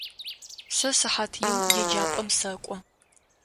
Сэ сыхьат им еджапӏэм сэкӏо.